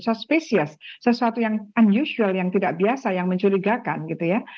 so species sesuatu yang unusual yang tidak biasa yang mencurigakan gitu ya